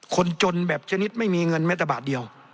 คนจนแบบชนิดไม่มีเงินแม้แต่บาทเดียว